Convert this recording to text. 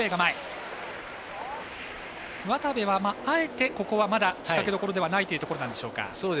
渡部はあえてここはまだ仕掛けどころではないというところでしょうか。